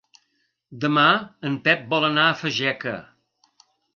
Demà en Pep vol anar a Fageca.